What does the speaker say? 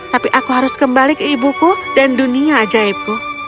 tapi aku harus kembali ke ibuku dan dunia ajaibku